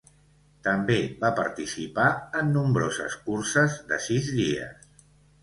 També va participar en nombroses curses de sis dies.